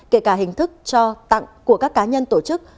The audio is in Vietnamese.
kể cả hình thức cho tặng của các cá nhân tổ chức